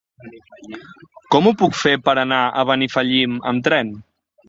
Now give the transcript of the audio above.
Com ho puc fer per anar a Benifallim amb tren?